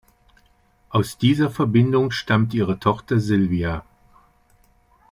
Aus dieser Verbindung stammt ihre Tochter Sylvia.